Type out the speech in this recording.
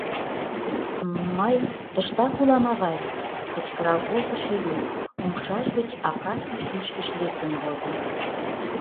— М... мый тыштак улам, авай! — кычкырал колтыш Элюк, умшаж гыч акаций шӱшкыш лектын возо.